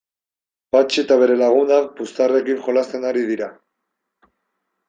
Patxi eta bere lagunak puxtarriekin jolasten ari dira.